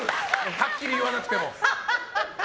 はっきり言わなくても。